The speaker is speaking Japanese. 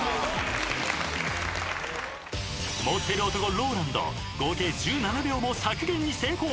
［持ってる男ＲＯＬＡＮＤ合計１７秒も削減に成功］